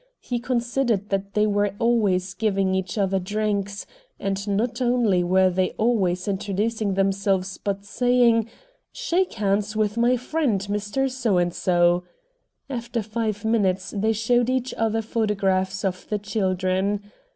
He considered that they were always giving each other drinks, and not only were they always introducing themselves, but saying, "Shake hands with my friend, Mr. So and So." After five minutes they showed each other photographs of the children.